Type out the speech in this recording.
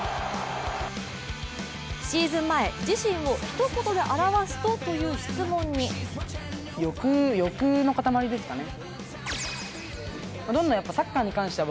シーズン前、自身をひと言で表すとという質問に欲の塊ですかね。